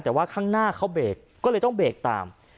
แต่ว่าข้างหน้าเขาเบรกก็เลยต้องเบรกตาม